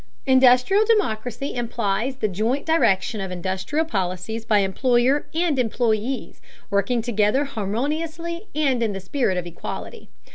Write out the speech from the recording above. Industrial democracy implies the joint direction of industrial policies by employer and employees, working together harmoniously and in the spirit of equality.